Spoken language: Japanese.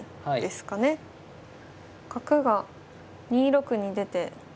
角が２六に出て。